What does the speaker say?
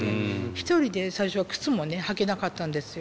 一人で最初は靴も履けなかったんですよ。